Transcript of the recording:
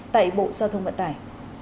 tại bộ giao thông vận tải